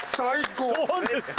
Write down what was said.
そうです。